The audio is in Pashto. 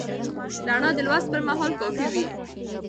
رڼا د لوست پر مهال کافي وي.